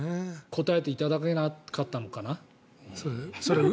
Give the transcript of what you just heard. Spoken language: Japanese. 答えていただけなかったのかな？